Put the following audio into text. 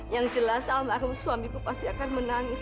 yang jelas almarhum suamiku pasti akan menangis